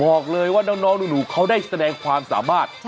บอกเลยว่าน้องหนูเขาได้แสดงความสามารถ